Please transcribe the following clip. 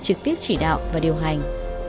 trực tiếp chỉ đạo và điều hành